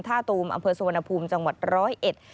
ท่าตูมอำเภอสวนภูมิจังหวัด๑๐๑